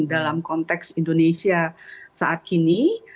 dalam konteks indonesia saat ini